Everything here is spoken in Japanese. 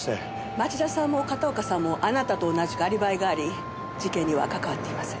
町田さんも片岡さんもあなたと同じくアリバイがあり事件にはかかわっていません。